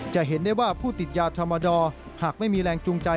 จะเห็นได้ว่าผู้ติดยาธรรมดอร์หากไม่มีแรงจูงใจ